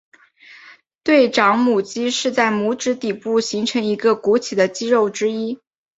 对掌拇肌是在拇指底部形成一个鼓起的肌肉之一。